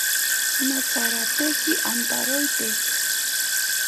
Notsarateki antaroite.